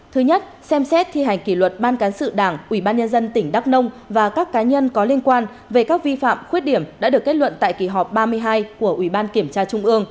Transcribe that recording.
thứ nhất xem xét thi hành kỷ luật ban cán sự đảng ủy ban nhân dân tỉnh đắk nông và các cá nhân có liên quan về các vi phạm khuyết điểm đã được kết luận tại kỳ họp ba mươi hai của ủy ban kiểm tra trung ương